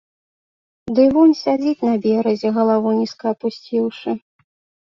Ды вунь сядзіць на беразе, галаву нізка апусціўшы.